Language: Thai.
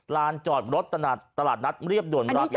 ลานจอดรถตลาดนัดเรียบด่วนรัก